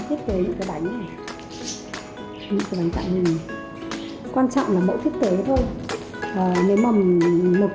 thích thiết kế những cái bánh những cái bánh tặng mình quan trọng là mẫu thiết kế thôi nếu mà một